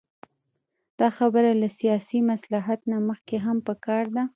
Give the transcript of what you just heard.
دا خبره له سیاسي مصلحت له مخې هم پکار ده.